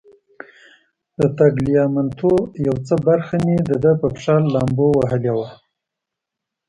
د تګلیامنتو یو څه برخه مې د ده په پښه لامبو وهلې وه.